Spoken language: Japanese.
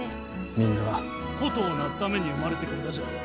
みんな、事を成すために生まれてくるがじゃ。